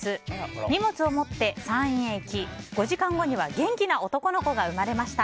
荷物を持って産院へ行き５時間後には元気な男の子が生まれました。